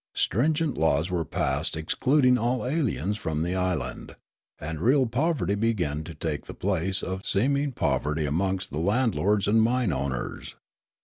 Strin gent laws were passed excluding all aliens from the island ; and real poverty began to take the place of seeming poverty amongst the landlords and mine owners.